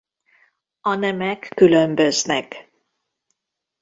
A nemek különböznek.